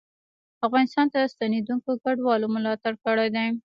افغانستان ته ستنېدونکو کډوالو ملاتړ کړی دی